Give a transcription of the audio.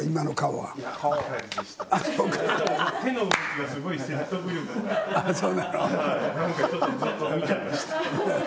はいなんかちょっとじっと見ちゃいました